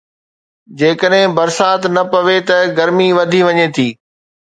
جيڪڏهن برسات نه پوي ته گرمي وڌي وڃي ٿي.